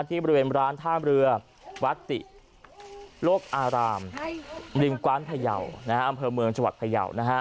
ที่บริเวณร้านท่าเรือวัตติโลกอารามริมกว้านพยาวนะฮะ